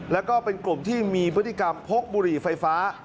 แล้วก็เป็นกลุ่มที่มีพฤติกรรมพกบุหรี่ไฟฟ้า